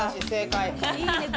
正解！